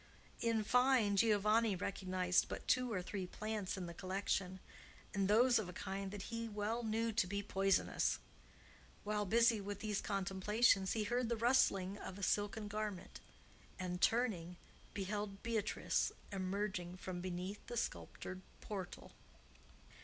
In fine, Giovanni recognized but two or three plants in the collection, and those of a kind that he well knew to be poisonous. While busy with these contemplations he heard the rustling of a silken garment, and, turning, beheld Beatrice emerging from beneath the sculptured portal.